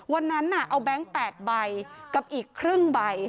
วันนั้นเอาแบงค์๘ใบกับอีกครึ่งใบ